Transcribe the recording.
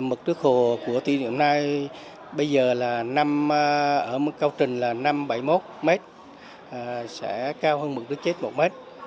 mực nước hồ của tỉ niệm nay bây giờ là năm ở mực cao trình là năm trăm bảy mươi một m sẽ cao hơn mực nước chết một m